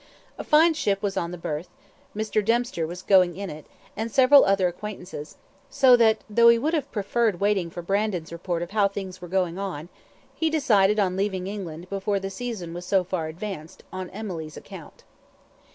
A very fine ship was on the berth; Mr. Dempster was going in it, and several other acquaintances; so that, though he would have preferred waiting for Brandon's report of how things were going on, he decided on leaving England before the season was so far advanced, on Emily's account.